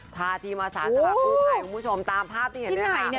พาทีมาสานสำหรับกู้ภัยคุณผู้ชมตามภาพที่เห็นเลยค่ะ